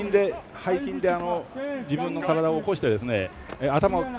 背筋で自分の体を起こして。